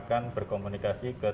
akan berkomunikasi ke petugas kota krl